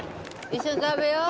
一緒に食べよう。